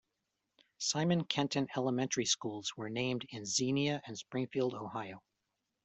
Simon Kenton Elementary Schools were named in Xenia and Springfield, Ohio.